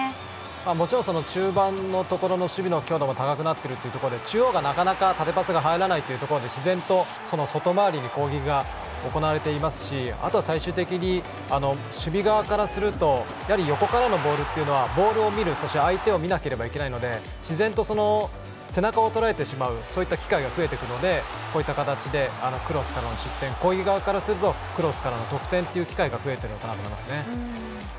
もちろん中盤のところの守備の強度も高くなってるというところで中央がなかなか縦パスが入らないということで自然と外周りで攻撃が行われていますしあとは最終的に守備側からするとやはり横からのボールというのはボールを見る、そして相手を見なければいけないので自然と背中を取られてしまうそういった機会が増えてくるのでこういった形でクロスからの失点攻撃側からするとクロスからの得点という機会が増えていると思います。